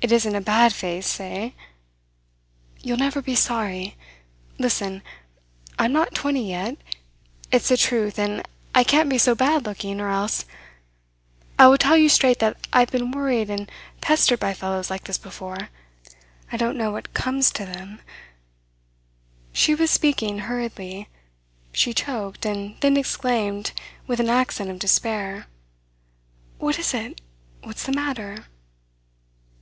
It isn't a bad face say? You'll never be sorry. Listen I'm not twenty yet. It's the truth, and I can't be so bad looking, or else I will tell you straight that I have been worried and pestered by fellows like this before. I don't know what comes to them " She was speaking hurriedly. She choked, and then exclaimed, with an accent of despair: "What is it? What's the matter?"